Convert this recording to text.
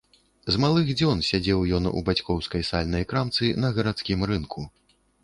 З малых дзён сядзеў ён у бацькоўскай сальнай крамцы на гарадскім рынку.